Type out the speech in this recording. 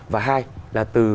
và hai là từ